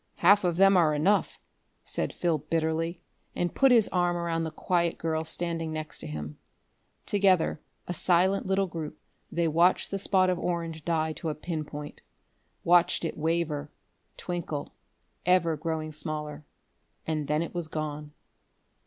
"Half of them are enough," said Phil bitterly, and put his arm around the quiet girl standing next to him. Together, a silent little group, they watched the spot of orange die to a pin point; watched it waver, twinkle, ever growing smaller.... And then it was gone.